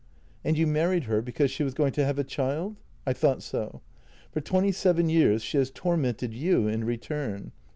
" And you married her because she was going to have a child ?— I thought so. F or twenty seven years she has tor mented you in return.